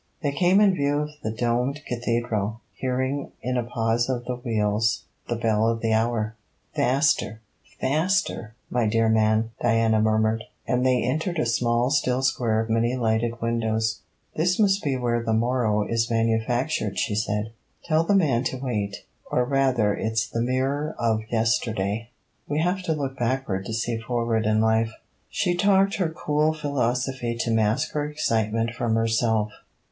They came in view of the domed cathedral, hearing, in a pause of the wheels, the bell of the hour. 'Faster faster! my dear man,' Diana murmured, and they entered a small still square of many lighted windows. 'This must be where the morrow is manufactured,' she said. 'Tell the man to wait. Or rather it's the mirror of yesterday: we have to look backward to see forward in life.' She talked her cool philosophy to mask her excitement from herself.